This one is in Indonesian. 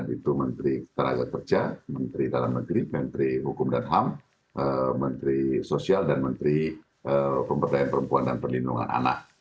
itu menteri tenaga kerja menteri dalam negeri menteri hukum dan ham menteri sosial dan menteri pemberdayaan perempuan dan perlindungan anak